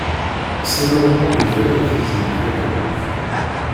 Sliman U Muḥ yebra i Tiziri Tagawawt.